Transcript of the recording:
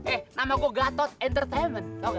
eh namaku gatot entertainment tau gak